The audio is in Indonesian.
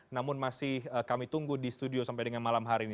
namun masih kami tunggu di studio sampai dengan malam hari ini